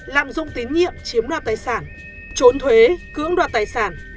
lạm dụng tín nhiệm chiếm đoạt tài sản trốn thuế cưỡng đoạt tài sản